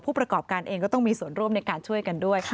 ประกอบการเองก็ต้องมีส่วนร่วมในการช่วยกันด้วย